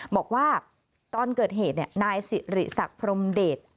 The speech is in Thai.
บอกว่าตอนเกิดเหตุเนี่ยนายสิริสักพรมเดช